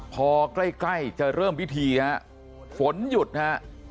พอใกล้จะเริ่มพิธีฮะฝนหยุดฮะ